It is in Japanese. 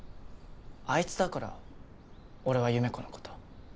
あいつだから俺は優芽子のこと